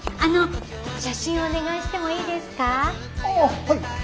ああはい。